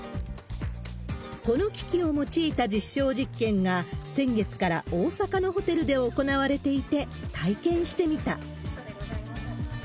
この機器を用いた実証実験が、先月から大阪のホテルで行われていて、体験してみた。